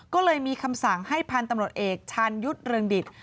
ก็เลยมีคำสั่งให้พันธุ์ตำรวจเอกชาญยุทธ์เรืองดิต